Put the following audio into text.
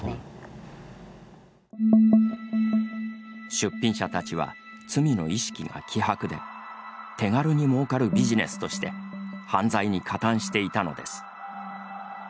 出品者たちは罪の意識が希薄で手軽にもうかるビジネスとして犯罪に加担していたのです。